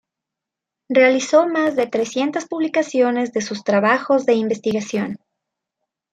Realizó más de trescientas publicaciones de sus trabajos de investigación.